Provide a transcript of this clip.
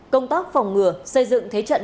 công tác phòng ngừa xây dựng thế trận